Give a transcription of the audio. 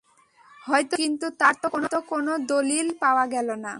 হয়তো ছিল, কিন্তু তার তো কোনো দলিল পাওয়া গেল না।